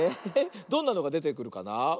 どんなのがでてくるかな？